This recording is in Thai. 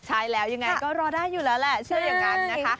ใช่แล้วยังไงก็รอได้อยู่แล้วแหละเชื่ออย่างนั้นนะคะ